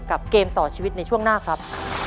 เกมต่อชีวิตในช่วงหน้าครับ